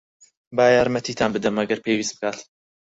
با یارمەتیتان بدەم، ئەگەر پێویست بکات.